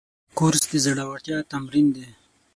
کورس د زړورتیا تمرین دی.